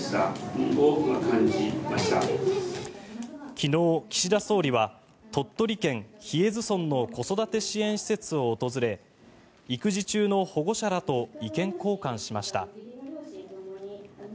昨日、岸田総理は鳥取県日吉津村の子育て支援施設を訪れ育児中の保護者らと意見交換しました。